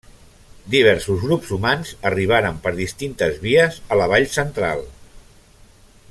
Diversos grups humans arribaren per distintes vies a la vall central.